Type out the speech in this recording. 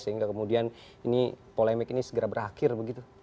sehingga kemudian polemik ini segera berakhir begitu